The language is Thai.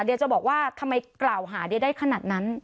เดี๋ยวจะบอกว่าทำไมกล่าวหาเดียได้ขนาดนั้น